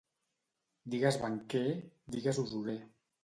Digues banquer, digues usurer.